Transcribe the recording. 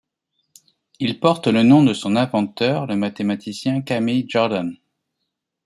Il porte le nom de son inventeur, le mathématicien Camille Jordan.